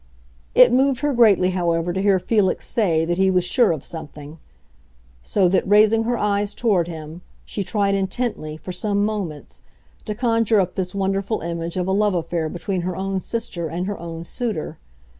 It moved her greatly, however, to hear Felix say that he was sure of something; so that, raising her eyes toward him, she tried intently, for some moments, to conjure up this wonderful image of a love affair between her own sister and her own suitor.